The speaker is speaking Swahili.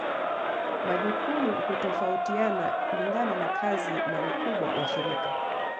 Majukumu hutofautiana kulingana na kazi na ukubwa wa shirika.